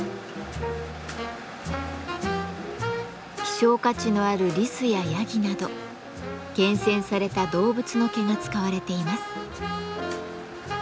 希少価値のあるリスやヤギなど厳選された動物の毛が使われています。